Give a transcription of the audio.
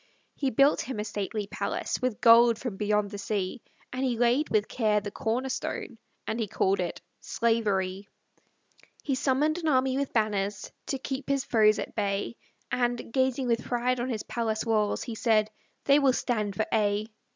He built him a stately palace, With gold from beyond the sea; And he laid with care the corner stone, And he called it Slavery: He summoned an army with banners, To keep his foes at bay; And, gazing with pride on his palace walls, He said, "They will stand for aye!"